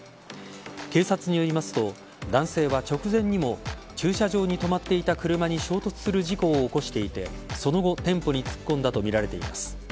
警察によりますと男性は直前にも駐車場に止まっていた車に衝突する事故を起こしていてその後、店舗に突っ込んだとみられています。